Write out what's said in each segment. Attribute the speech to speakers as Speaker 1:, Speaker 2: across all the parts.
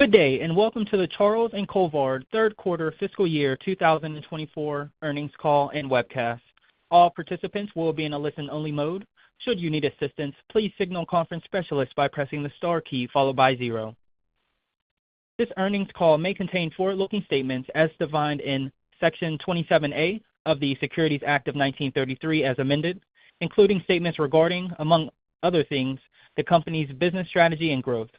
Speaker 1: Good day, and welcome to the Charles & Colvard Q3 fiscal year 2024 earnings call and webcast. All participants will be in a listen-only mode. Should you need assistance, please signal conference specialist by pressing the star key followed by zero. This earnings call may contain forward-looking statements as defined in Section 27A of the Securities Act of 1933, as amended, including statements regarding, among other things, the company's business strategy and growth.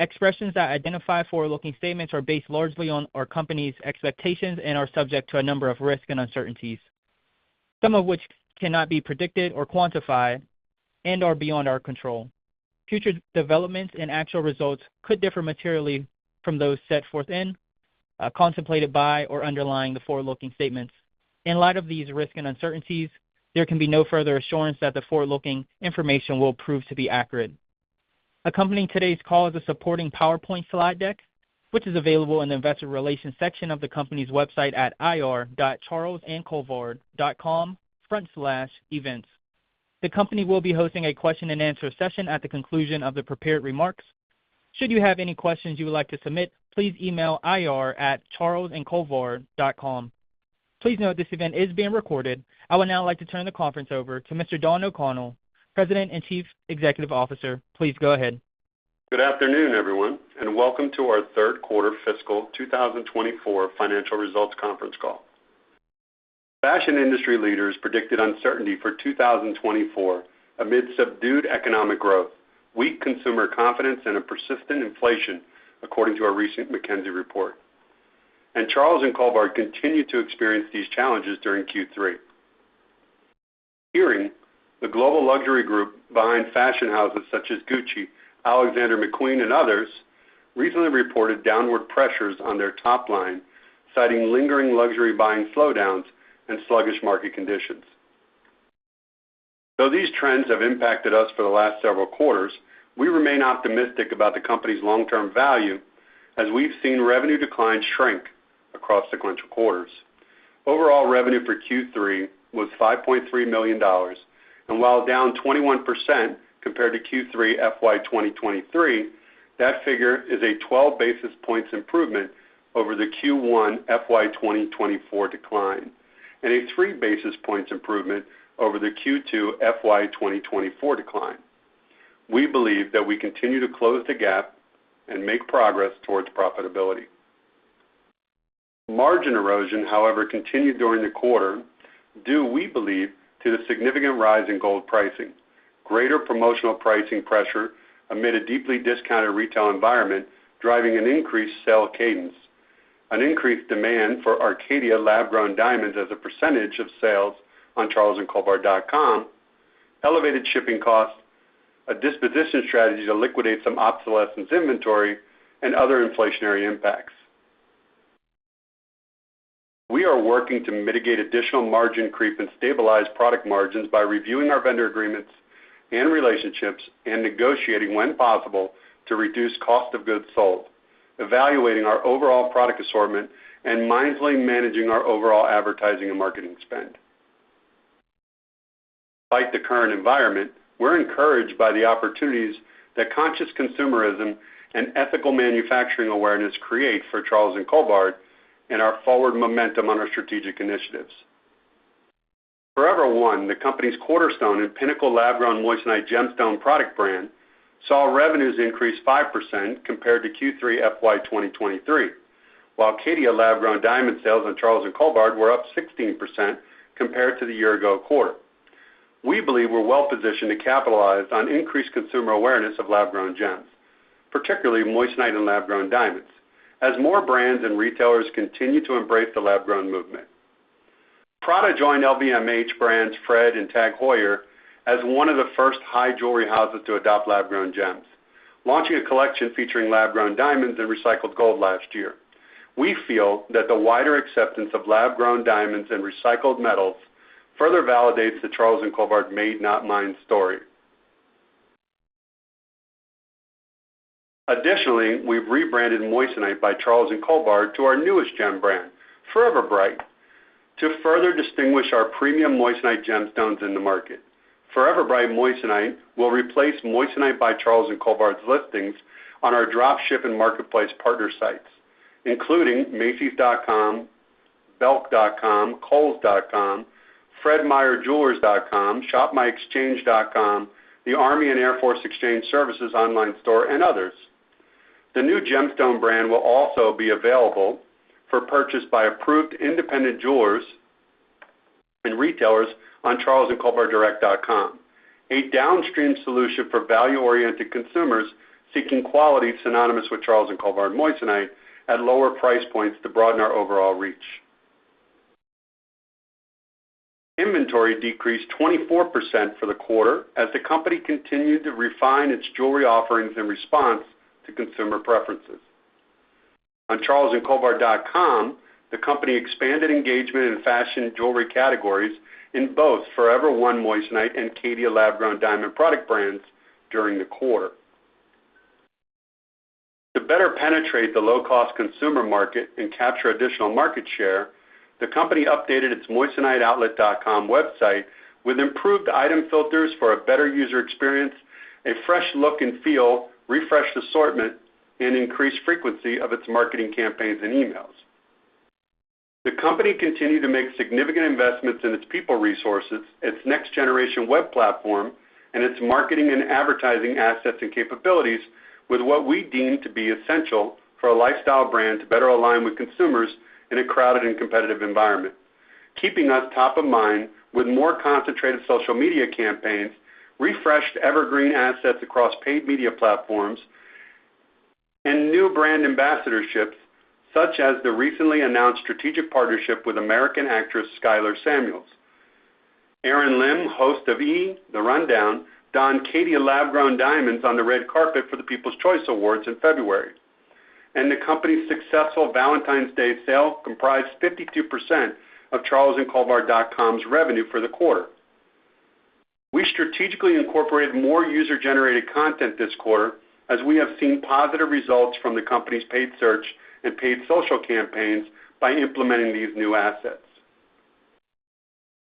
Speaker 1: Expressions that identify forward-looking statements are based largely on our company's expectations and are subject to a number of risks and uncertainties, some of which cannot be predicted or quantified and are beyond our control. Future developments and actual results could differ materially from those set forth in, contemplated by or underlying the forward-looking statements. In light of these risks and uncertainties, there can be no further assurance that the forward-looking information will prove to be accurate. Accompanying today's call is a supporting PowerPoint slide deck, which is available in the Investor Relations section of the company's website at ir.charlesandcolvard.com/events. The company will be hosting a question-and-answer session at the conclusion of the prepared remarks. Should you have any questions you would like to submit, please email ir@charlesandcolvard.com. Please note this event is being recorded. I would now like to turn the conference over to Mr. Don O'Connell, President and Chief Executive Officer. Please go ahead.
Speaker 2: Good afternoon, everyone, and welcome to our Q3 fiscal 2024 financial results conference call. Fashion industry leaders predicted uncertainty for 2024 amid subdued economic growth, weak consumer confidence, and a persistent inflation, according to a recent McKinsey report. Charles & Colvard continued to experience these challenges during Q3. Herein, the global luxury group behind fashion houses such as Gucci, Alexander McQueen, and others, recently reported downward pressures on their top line, citing lingering luxury buying slowdowns and sluggish market conditions. Though these trends have impacted us for the last several quarters, we remain optimistic about the company's long-term value as we've seen revenue declines shrink across sequential quarters. Overall revenue for Q3 was $5.3 million, and while down 21% compared to Q3 FY 2023, that figure is a 12 basis points improvement over the Q1 FY 2024 decline and a 3 basis points improvement over the Q2 FY 2024 decline. We believe that we continue to close the gap and make progress towards profitability. Margin erosion, however, continued during the quarter, due, we believe, to the significant rise in gold pricing, greater promotional pricing pressure amid a deeply discounted retail environment, driving an increased sale cadence, an increased demand for Caydia lab-grown diamonds as a percentage of sales on charlesandcolvard.com, elevated shipping costs, a disposition strategy to liquidate some obsolescence inventory, and other inflationary impacts. We are working to mitigate additional margin creep and stabilize product margins by reviewing our vendor agreements and relationships and negotiating, when possible, to reduce cost of goods sold, evaluating our overall product assortment, and mindfully managing our overall advertising and marketing spend. Despite the current environment, we're encouraged by the opportunities that conscious consumerism and ethical manufacturing awareness create for Charles & Colvard and our forward momentum on our strategic initiatives. Forever One, the company's cornerstone in pinnacle lab-grown moissanite gemstone product brand, saw revenues increase 5% compared to Q3 FY 2023, while Caydia lab-grown diamond sales on Charles & Colvard were up 16% compared to the year-ago quarter. We believe we're well positioned to capitalize on increased consumer awareness of lab-grown gems, particularly moissanite and lab-grown diamonds, as more brands and retailers continue to embrace the lab-grown movement. Prada joined LVMH brands, Fred and TAG Heuer, as one of the first high jewelry houses to adopt lab-grown gems, launching a collection featuring lab-grown diamonds and recycled gold last year. We feel that the wider acceptance of lab-grown diamonds and recycled metals further validates the Charles & Colvard made-not-mined story. Additionally, we've rebranded Moissanite by Charles & Colvard to our newest gem brand, Forever Bright, to further distinguish our premium moissanite gemstones in the market. Forever Bright moissanite will replace Moissanite by Charles & Colvard's listings on our drop ship and marketplace partner sites, including macys.com, belk.com, kohls.com, fredmeyerjewelers.com, shopmyexchange.com, the Army and Air Force Exchange Service online store, and others. The new gemstone brand will also be available for purchase by approved independent jewelers and retailers on charlesandcolvarddirect.com, a downstream solution for value-oriented consumers seeking quality synonymous with Charles & Colvard moissanite at lower price points to broaden our overall reach. Inventory decreased 24% for the quarter as the company continued to refine its jewelry offerings in response to consumer preferences. On charlesandcolvard.com, the company expanded engagement in fashion jewelry categories in both Forever One moissanite and Caydia lab-grown diamond product brands during the quarter. To better penetrate the low-cost consumer market and capture additional market share. The company updated its moissaniteoutlet.com website with improved item filters for a better user experience, a fresh look and feel, refreshed assortment, and increased frequency of its marketing campaigns and emails. The company continued to make significant investments in its people resources, its next-generation web platform, and its marketing and advertising assets and capabilities with what we deem to be essential for a lifestyle brand to better align with consumers in a crowded and competitive environment, keeping us top of mind with more concentrated social media campaigns, refreshed evergreen assets across paid media platforms, and new brand ambassadorships, such as the recently announced strategic partnership with American actress Skyler Samuels. Erin Lim, host of E! The Rundown, donned Caydia lab-grown diamonds on the red carpet for the People's Choice Awards in February, and the company's successful Valentine's Day sale comprised 52% of charlesandcolvard.com's revenue for the quarter. We strategically incorporated more user-generated content this quarter, as we have seen positive results from the company's paid search and paid social campaigns by implementing these new assets.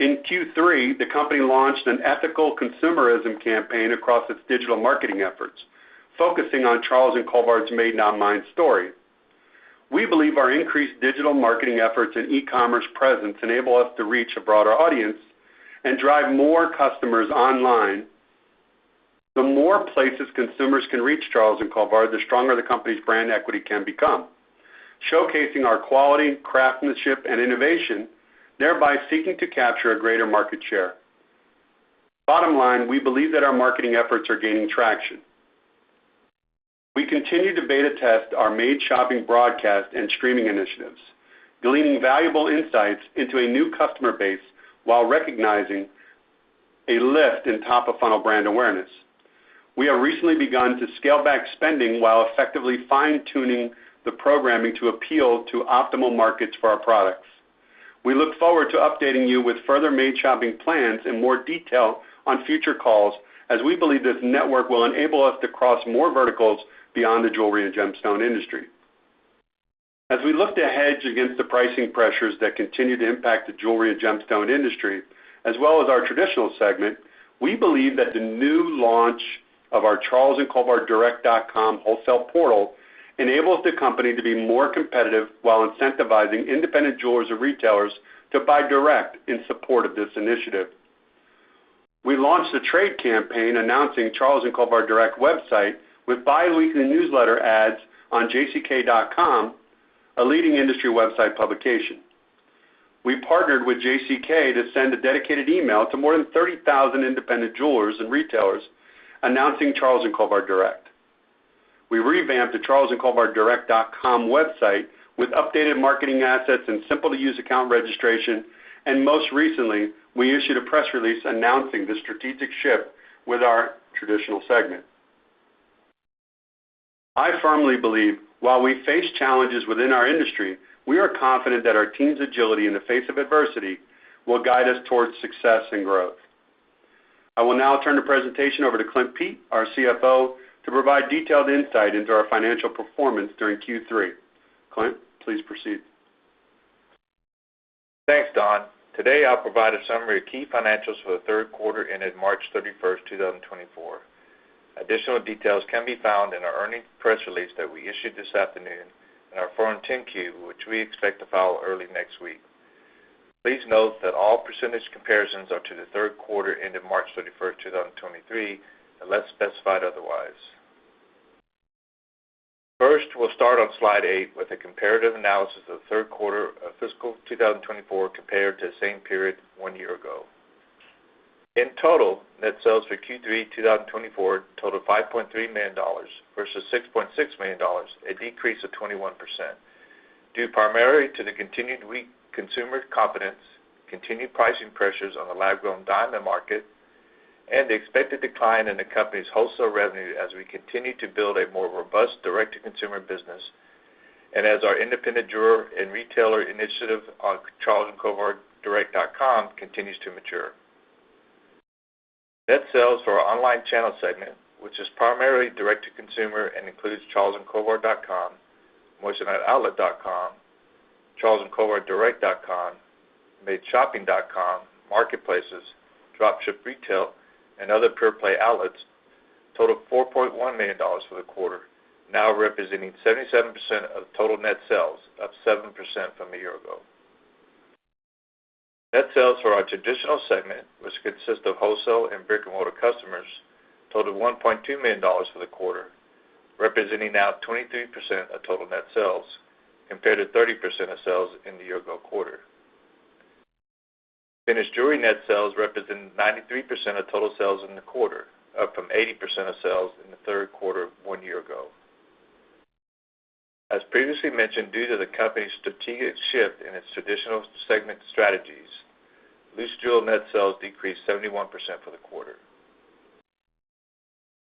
Speaker 2: In Q3, the company launched an ethical consumerism campaign across its digital marketing efforts, focusing on Charles & Colvard's Made Not Mined story. We believe our increased digital marketing efforts and e-commerce presence enable us to reach a broader audience and drive more customers online. The more places consumers can reach Charles & Colvard, the stronger the company's brand equity can become, showcasing our quality, craftsmanship and innovation, thereby seeking to capture a greater market share. Bottom line, we believe that our marketing efforts are gaining traction. We continue to beta test our MADE Shopping broadcast and streaming initiatives, gleaning valuable insights into a new customer base while recognizing a lift in top-of-funnel brand awareness. We have recently begun to scale back spending while effectively fine-tuning the programming to appeal to optimal markets for our products. We look forward to updating you with further MADE Shopping plans in more detail on future calls, as we believe this network will enable us to cross more verticals beyond the jewelry and gemstone industry. As we look to hedge against the pricing pressures that continue to impact the jewelry and gemstone industry, as well as our traditional segment, we believe that the new launch of our charlesandcolvarddirect.com wholesale portal enables the company to be more competitive while incentivizing independent jewelers and retailers to buy direct in support of this initiative. We launched a trade campaign announcing Charles & Colvard Direct website with biweekly newsletter ads on jck.com, a leading industry website publication. We partnered with JCK to send a dedicated email to more than 30,000 independent jewelers and retailers announcing Charles & Colvard Direct. We revamped the charlesandcolvarddirect.com website with updated marketing assets and simple-to-use account registration, and most recently, we issued a press release announcing the strategic shift with our traditional segment. I firmly believe, while we face challenges within our industry, we are confident that our team's agility in the face of adversity will guide us toward success and growth. I will now turn the presentation over to Clint Pete, our CFO, to provide detailed insight into our financial performance during Q3. Clint, please proceed.
Speaker 3: Thanks, Don. Today, I'll provide a summary of key financials for the Q3 ended March 31st, 2024. Additional details can be found in our earnings press release that we issued this afternoon and our Form 10-Q, which we expect to file early next week. Please note that all percentage comparisons are to the Q3 ended March 31st, 2023, unless specified otherwise. First, we'll start on slide eight with a comparative analysis of Q3 of fiscal 2024 compared to the same period one year-ago. In total, net sales for Q3 2024 totaled $5.3 million versus $6.6 million, a decrease of 21%, due primarily to the continued weak consumer confidence, continued pricing pressures on the lab-grown diamond market, and the expected decline in the company's wholesale revenue as we continue to build a more robust direct-to-consumer business and as our independent jeweler and retailer initiative on charlesandcolvarddirect.com continues to mature. Net sales for our online channel segment, which is primarily direct-to-consumer and includes charlesandcolvard.com, moissaniteoutlet.com, charlesandcolvarddirect.com, madeshopping.com, marketplaces, drop ship, retail, and other pure-play outlets, totaled $4.1 million for the quarter, now representing 77% of total net sales, up 7% from a year-ago. Net sales for our traditional segment, which consists of wholesale and brick-and-mortar customers, totaled $1.2 million for the quarter, representing now 23% of total net sales, compared to 30% of sales in the year-ago quarter. Finished jewelry net sales represented 93% of total sales in the quarter, up from 80% of sales in the Q3 one year-ago. As previously mentioned, due to the company's strategic shift in its traditional segment strategies, loose jewel net sales decreased 71% for the quarter.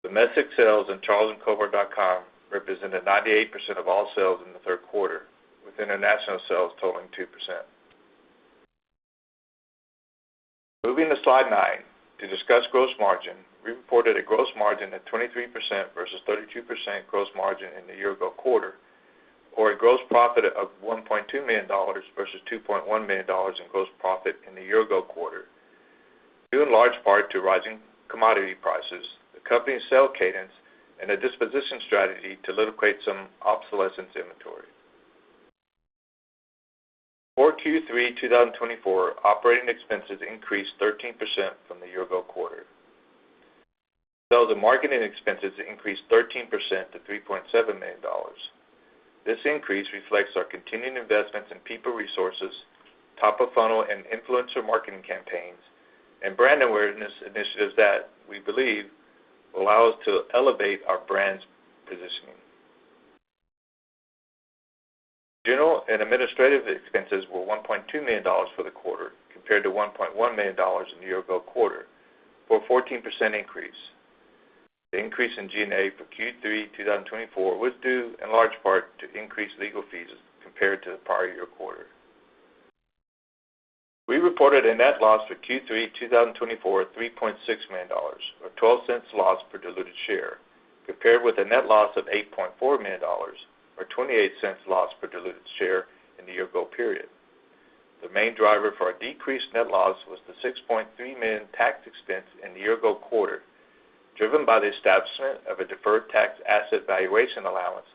Speaker 3: Domestic sales on charlesandcolvard.com represented 98% of all sales in the Q3, with international sales totaling 2%. Moving to Slide nine, to discuss gross margin, we reported a gross margin of 23% versus 32% gross margin in the year-ago quarter, or a gross profit of $1.2 million versus $2.1 million in gross profit in the year-ago quarter, due in large part to rising commodity prices, the company's sale cadence, and a disposition strategy to liquidate some obsolescence inventory. For Q3, 2024, operating expenses increased 13% from the year-ago quarter, though the marketing expenses increased 13% to $3.7 million. This increase reflects our continuing investments in people, resources, top-of-funnel and influencer marketing campaigns, and brand awareness initiatives that we believe allow us to elevate our brand's positioning. General and administrative expenses were $1.2 million for the quarter, compared to $1.1 million in the year-ago quarter, for a 14% increase. The increase in G&A for Q3, 2024, was due in large part to increased legal fees compared to the prior year quarter. We reported a net loss for Q3, 2024 of $3.6 million, or $0.12 loss per diluted share, compared with a net loss of $8.4 million, or $0.28 loss per diluted share in the year-ago period. The main driver for our decreased net loss was the $6.3 million tax expense in the year-ago quarter, driven by the establishment of a deferred tax asset valuation allowance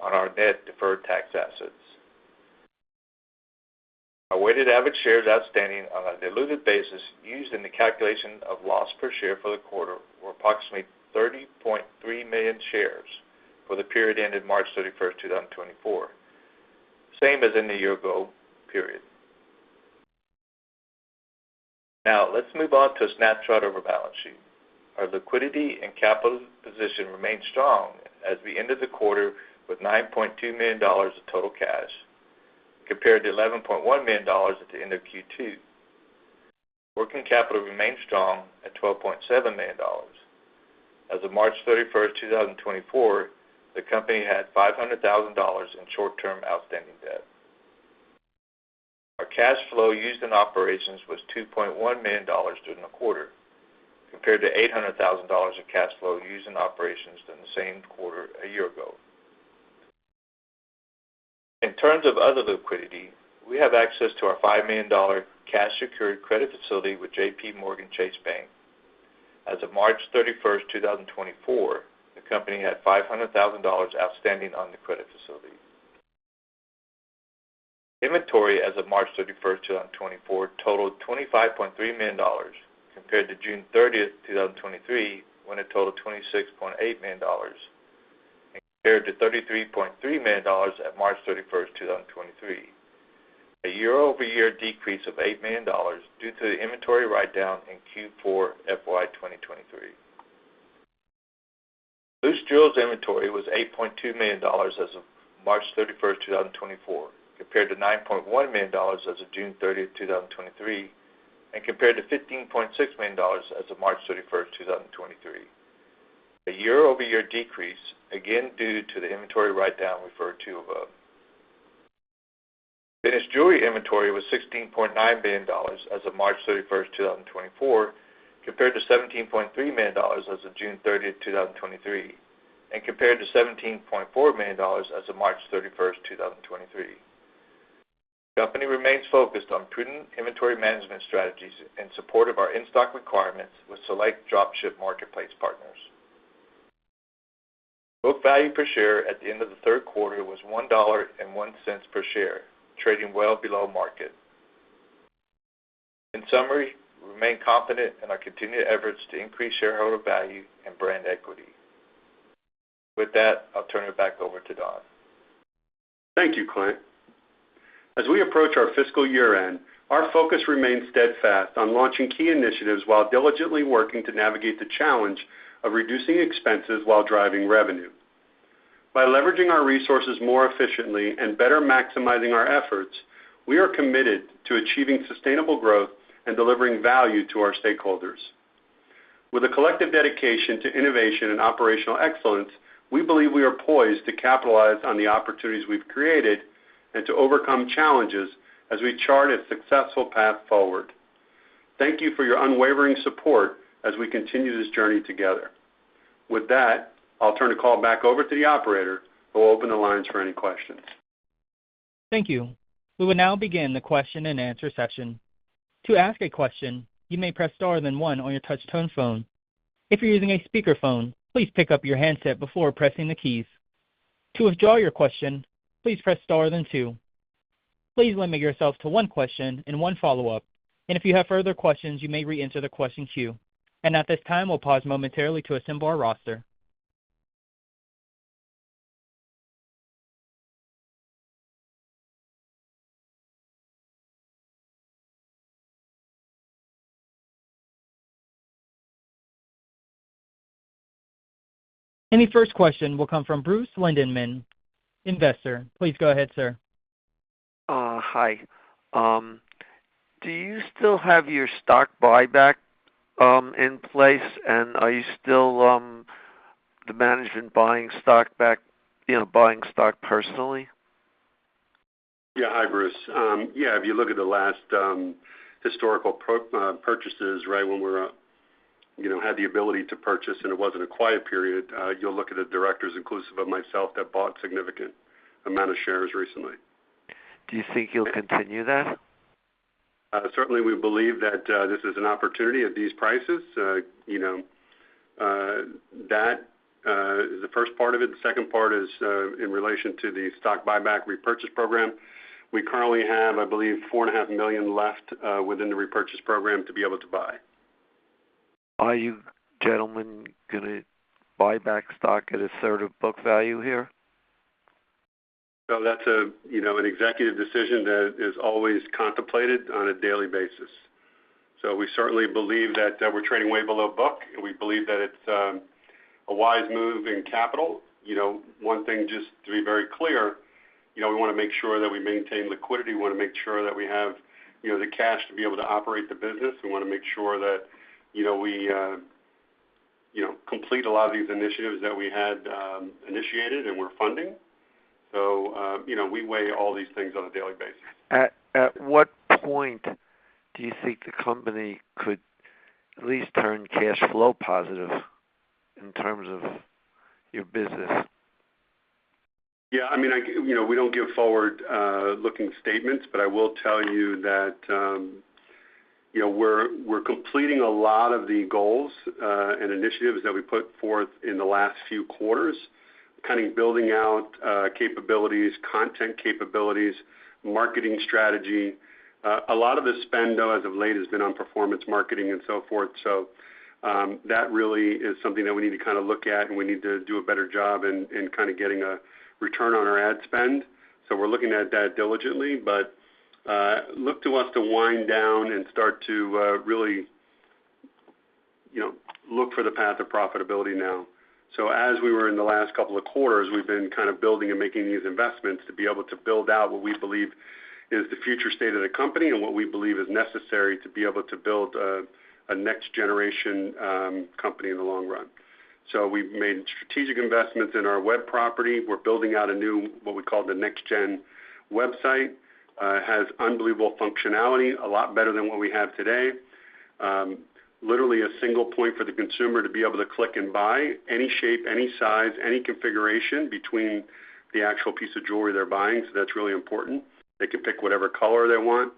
Speaker 3: on our net deferred tax assets. Our weighted average shares outstanding on a diluted basis used in the calculation of loss per share for the quarter were approximately 30.3 million shares for the period ended March 31st, 2024, same as in the year-ago period. Now, let's move on to a snapshot of our balance sheet. Our liquidity and capital position remained strong as we ended the quarter with $9.2 million of total cash, compared to $11.1 million at the end of Q2. Working capital remained strong at $12.7 million. As of March 31st, 2024, the company had $500,000 in short-term outstanding debt. Our cash flow used in operations was $2.1 million during the quarter, compared to $800,000 in cash flow used in operations during the same quarter a year-ago. In terms of other liquidity, we have access to our $5 million cash secured credit facility with JPMorgan Chase Bank. As of March 31st, 2024, the company had $500,000 outstanding on the credit facility. Inventory as of March 31st, 2024, totaled $25.3 million, compared to June 30th, 2023, when it totaled $26.8 million, and compared to $33.3 million at March 31st, 2023, a year-over-year decrease of $8 million due to the inventory write-down in Q4, FY 2023. Loose jewels inventory was $8.2 million as of March 31st, 2024, compared to $9.1 million as of June 30th, 2023, and compared to $15.6 million as of March 31st, 2023. A year-over-year decrease, again, due to the inventory write-down referred to above. Finished jewelry inventory was $16.9 million as of March 31st, 2024, compared to $17.3 million as of June 30th, 2023, and compared to $17.4 million as of March 31st, 2023. The company remains focused on prudent inventory management strategies in support of our in-stock requirements with select drop ship marketplace partners. Book value per share at the end of the Q3 was $1.01 per share, trading well below market. In summary, we remain confident in our continued efforts to increase shareholder value and brand equity. With that, I'll turn it back over to Don.
Speaker 2: Thank you, Clint. As we approach our fiscal year-end, our focus remains steadfast on launching key initiatives while diligently working to navigate the challenge of reducing expenses while driving revenue. By leveraging our resources more efficiently and better maximizing our efforts, we are committed to achieving sustainable growth and delivering value to our stakeholders. With a collective dedication to innovation and operational excellence, we believe we are poised to capitalize on the opportunities we've created and to overcome challenges as we chart a successful path forward. Thank you for your unwavering support as we continue this journey together. With that, I'll turn the call back over to the operator, who will open the lines for any questions.
Speaker 1: Thank you. We will now begin the question-and-answer session. To ask a question, you may press star then one on your touch tone phone. If you're using a speakerphone, please pick up your handset before pressing the keys. To withdraw your question, please press star then two. Please limit yourself to one question and one follow-up, and if you have further questions, you may reenter the question queue. At this time, we'll pause momentarily to assemble our roster. Any first question will come from Bruce Lindemann, investor. Please go ahead, sir.
Speaker 4: Hi. Do you still have your stock buyback in place, and are you still, the management buying stock back, you know, buying stock personally?
Speaker 2: Hi, Bruce. Yeah, if you look at the last historical purchases, right, when we were, you know, had the ability to purchase and it wasn't a quiet period, you'll look at the directors, inclusive of myself, that bought significant amount of shares recently.
Speaker 4: Do you think you'll continue that?
Speaker 2: Certainly, we believe that this is an opportunity at these prices. You know, that is the first part of it. The second part is in relation to the stock buyback repurchase program. We currently have, I believe, 4.5 million left within the repurchase program to be able to buy.
Speaker 4: Are you gentlemen gonna buy back stock at a third of book value here?
Speaker 2: Well, that's a, you know, an executive decision that is always contemplated on a daily basis. So we certainly believe that we're trading way below book, and we believe that it's a wise move in capital. You know, one thing, just to be very clear, you know, we wanna make sure that we maintain liquidity. We wanna make sure that we have, you know, the cash to be able to operate the business. We wanna make sure that, you know, we, you know, complete a lot of these initiatives that we had initiated and we're funding. So, you know, we weigh all these things on a daily basis.
Speaker 4: At what point do you think the company could at least turn cash flow positive in terms of your business?
Speaker 2: Yeah, I mean, I, you know, we don't give forward-looking statements, but I will tell you that, you know, we're, we're completing a lot of the goals and initiatives that we put forth in the last few quarters, kind of building out, capabilities, content capabilities, marketing strategy. A lot of the spend, though, as of late, has been on performance marketing and so forth. So, that really is something that we need to kinda look at, and we need to do a better job in kinda getting a return on our ad spend. So we're looking at that diligently, but, look to us to wind down and start to, really, you know, look for the path of profitability now. So as we were in the last couple of quarters, we've been kind of building and making these investments to be able to build out what we believe is the future state of the company and what we believe is necessary to be able to build a next generation company in the long run. So we've made strategic investments in our web property. We're building out a new, what we call, the next gen website. It has unbelievable functionality, a lot better than what we have today. Literally a single point for the consumer to be able to click and buy any shape, any size, any configuration between the actual piece of jewelry they're buying, so that's really important. They can pick whatever color they want.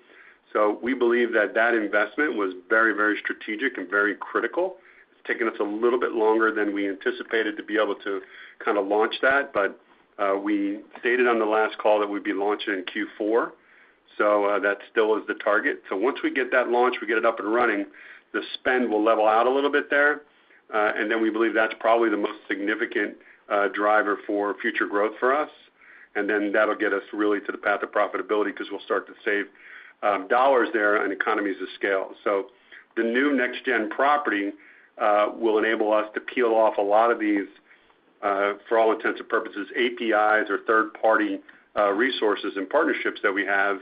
Speaker 2: So we believe that that investment was very, very strategic and very critical. It's taken us a little bit longer than we anticipated to be able to kinda launch that, but we stated on the last call that we'd be launching in Q4, so that still is the target. So once we get that launched, we get it up and running, the spend will level out a little bit there. And then we believe that's probably the most significant driver for future growth for us, and then that'll get us really to the path of profitability because we'll start to save dollars there and economies of scale. So the new next gen property will enable us to peel off a lot of these, for all intents and purposes, APIs or third-party resources and partnerships that we have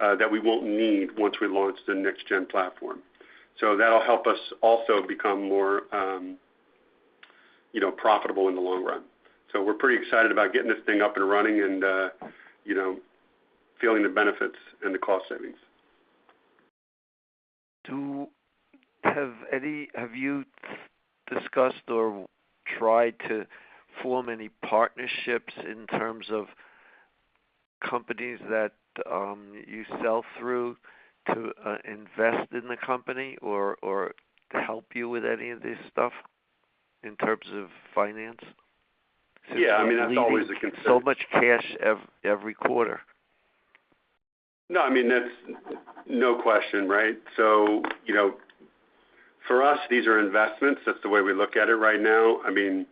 Speaker 2: that we won't need once we launch the next gen platform. So that'll help us also become more, you know, profitable in the long run. So we're pretty excited about getting this thing up and running and, you know, feeling the benefits and the cost savings.
Speaker 4: Have you discussed or tried to form any partnerships in terms of companies that you sell through to invest in the company or to help you with any of this stuff in terms of finance?
Speaker 2: Yeah, I mean, that's always a concern.
Speaker 4: So much cash every quarter.
Speaker 2: No, I mean, that's no question, right? So, you know, for us, these are investments. That's the way we look at it right now. I mean,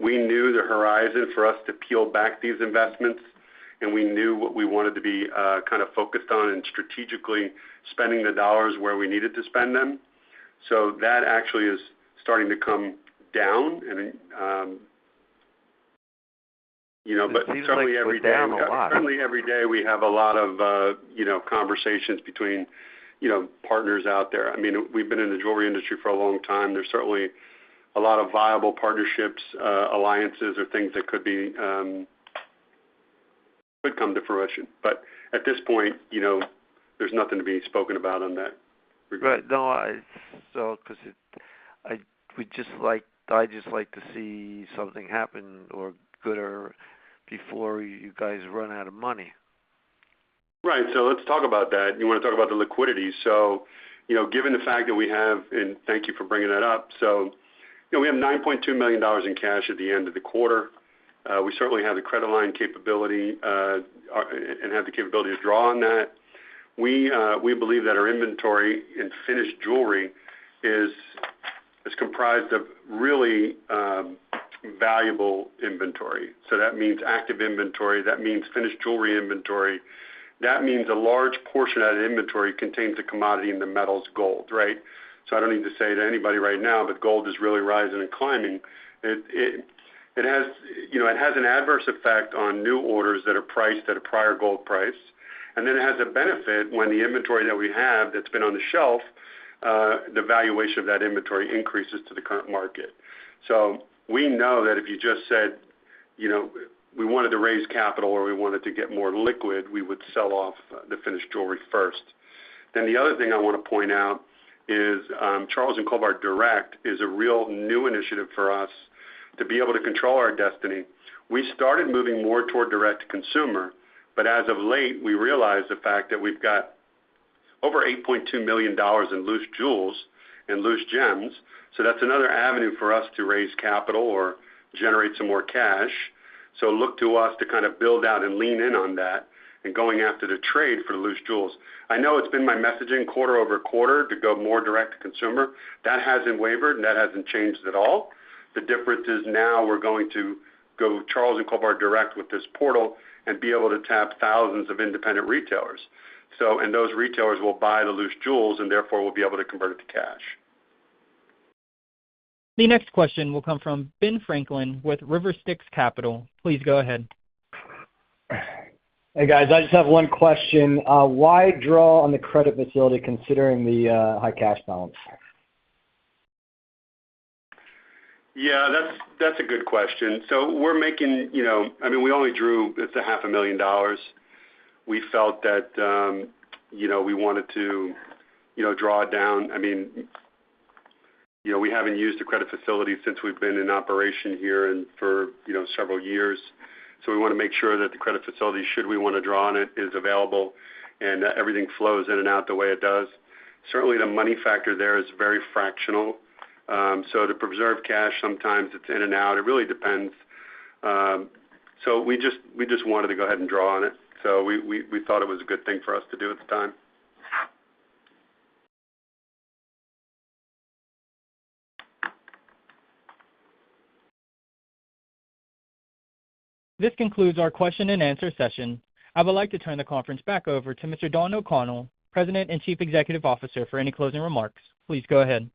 Speaker 2: we knew the horizon for us to peel back these investments, and we knew what we wanted to be kind of focused on and strategically spending the dollars where we needed to spend them. So that actually is starting to come down, and, you know, but certainly every day-
Speaker 4: Down a lot.
Speaker 2: Certainly every day, we have a lot of, you know, conversations between, you know, partners out there. I mean, we've been in the jewelry industry for a long time. There's certainly a lot of viable partnerships, alliances, or things that could be, could come to fruition, but at this point, you know, there's nothing to be spoken about on that regard.
Speaker 4: Right. No. So, because it—I just like to see something happen or good or before you guys run out of money.
Speaker 2: Right. So let's talk about that. You wanna talk about the liquidity. So, you know, given the fact that we have, and thank you for bringing that up. So, you know, we have $9.2 million in cash at the end of the quarter. We certainly have the credit line capability, and have the capability to draw on that. We, we believe that our inventory in finished jewelry is comprised of really valuable inventory. So that means active inventory, that means finished jewelry inventory. That means a large portion of that inventory contains a commodity in the metals gold, right? So I don't need to say to anybody right now, but gold is really rising and climbing. It has, you know, an adverse effect on new orders that are priced at a prior gold price, and then it has a benefit when the inventory that we have that's been on the shelf, the valuation of that inventory increases to the current market. So we know that if you just said, you know, we wanted to raise capital or we wanted to get more liquid, we would sell off the finished jewelry first. Then the other thing I want to point out is, Charles & Colvard Direct is a real new initiative for us to be able to control our destiny. We started moving more toward direct-to-consumer, but as of late, we realized the fact that we've got over $8.2 million in loose jewels and loose gems, so that's another avenue for us to raise capital or generate some more cash. So look to us to kind of build out and lean in on that and going after the trade for the loose jewels. I know it's been my messaging quarter over quarter to go more direct-to-consumer. That hasn't wavered, and that hasn't changed at all. The difference is now we're going to go Charles & Colvard Direct with this portal and be able to tap thousands of independent retailers. So, and those retailers will buy the loose jewels, and therefore, we'll be able to convert it to cash.
Speaker 1: The next question will come from Ben Franklin with Riverstyx Capital. Please go ahead.
Speaker 5: Hey, guys, I just have one question. Why draw on the credit facility considering the high cash balance?
Speaker 2: Yeah, that's a good question. So we're making, you know—I mean, we only drew $500,000. We felt that, you know, we wanted to, you know, draw down. I mean, you know, we haven't used a credit facility since we've been in operation here and for, you know, several years. So we want to make sure that the credit facility, should we want to draw on it, is available and that everything flows in and out the way it does. Certainly, the money factor there is very fractional. So to preserve cash, sometimes it's in and out. It really depends. So we just wanted to go ahead and draw on it. So we thought it was a good thing for us to do at the time.
Speaker 1: This concludes our question-and-answer session. I would like to turn the conference back over to Mr. Don O'Connell, President and Chief Executive Officer, for any closing remarks. Please go ahead.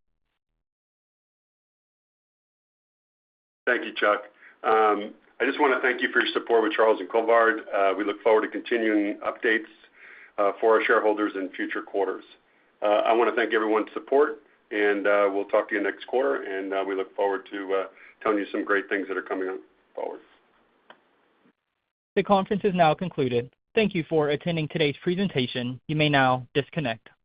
Speaker 2: Thank you, Chuck. I just want to thank you for your support with Charles & Colvard. We look forward to continuing updates for our shareholders in future quarters. I want to thank everyone's support, and we'll talk to you next quarter, and we look forward to telling you some great things that are coming up.
Speaker 1: The conference is now concluded. Thank you for attending today's presentation. You may now disconnect.